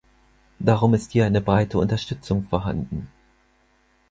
Darum ist hier eine breite Unterstützung vorhanden.